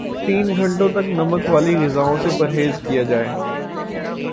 تین گھنٹوں تک نمک والی غذاوں سے پرہیز کیا جائے